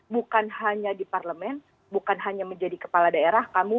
bukan hanya di parlemen bukan hanya menjadi kepala daerah